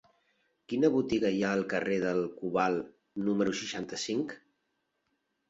Quina botiga hi ha al carrer del Cobalt número seixanta-cinc?